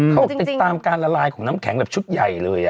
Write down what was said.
เขาติดตามการละลายของน้ำแข็งแบบชุดใหญ่เลย